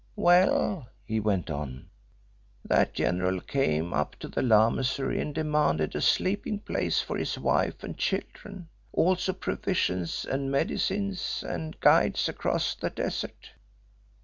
"Well," he went on, "that general came up to the Lamasery and demanded a sleeping place for his wife and children, also provisions and medicines, and guides across the desert.